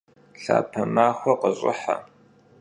Lhape maxue khış'ıuhe!